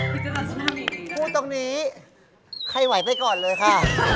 พูดตรงนี้ใครไหวไปก่อนเลยค่ะ